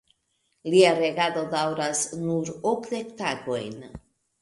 Lia regado daŭros nur okdek tagojn.